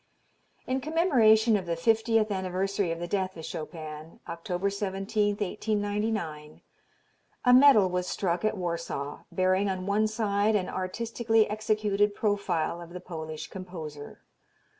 In commemoration of the fiftieth anniversary of the death of Chopin, October 17, 1899, a medal was struck at Warsaw, bearing on one side an artistically executed profile of the Polish composer.